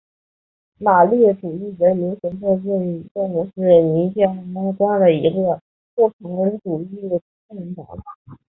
马列主义人民行动运动是尼加拉瓜的一个共产主义政党。